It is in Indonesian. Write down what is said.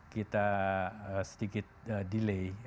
kita sedikit delay